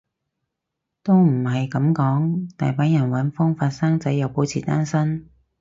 都唔係噉講，大把人搵方法生仔又保持單身